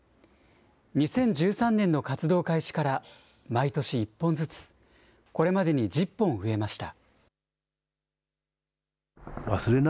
２０１３年の活動開始から、毎年１本ずつ、これまでに１０本植えました。